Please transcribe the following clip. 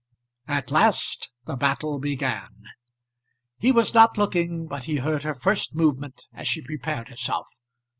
At last the battle began. He was not looking, but he heard her first movement as she prepared herself.